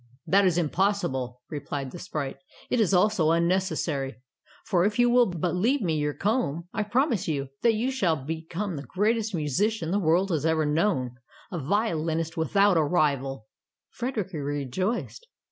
"That is impossible," replied the sprite. "It is also unnecessary. For if you will but leave me your comb, I promise you that you shall become the greatest musician the world has ever known — a violinist with out a rival. Frederick rejoiced.